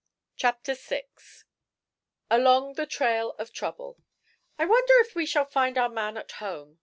CHAPTER VI ALONG THE TRAIL OF TROUBLE "I wonder if we shall find our man at home?"